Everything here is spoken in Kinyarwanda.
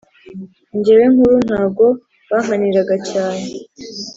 njyewe nkuru ntago bankaniraga cyane